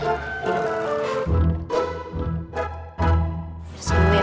harus gue yang pade